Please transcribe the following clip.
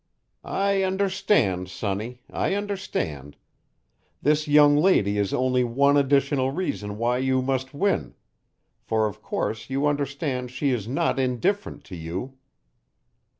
"I understand, sonny, I understand. This young lady is only one additional reason why you must win, for of course you understand she is not indifferent to you."